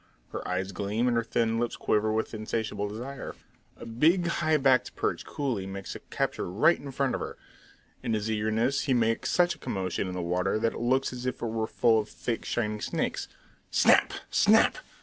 Her eyes gleam, and her thin lips quiver with insatiable desire. A big, high backed perch coolie makes a capture right in front of her. In his eagerness he makes such a commotion in the water that it looks as if it were full of thick, shining snakes. Snap! Snap!